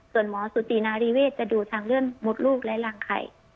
ส่วนหมอสุตินารีเวศจะดูทางเลื่อนมดลูกและรังไข่